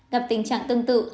gặp tình trạng tương tự